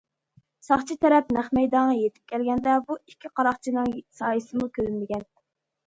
ساقچى تەرەپ نەق مەيدانغا يېتىپ كەلگەندە، بۇ ئىككى قاراقچىنىڭ سايىسىمۇ كۆرۈنمىگەن.